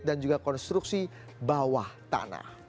dan juga konstruksi bawah tanah